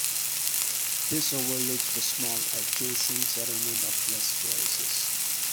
This overlooks the small adjacent settlement of Les Roises.